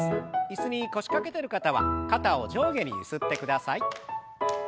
椅子に腰掛けてる方は肩を上下にゆすってください。